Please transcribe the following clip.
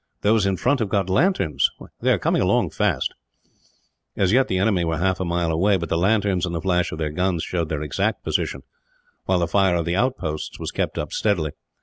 Those in front have got lanterns. They are coming along fast." As yet the enemy were half a mile away, but the lanterns and the flash of their guns showed their exact position, while the fire of the outposts was kept up steadily.